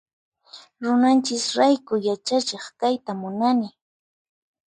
Runanchis rayku yachachiq kayta munani.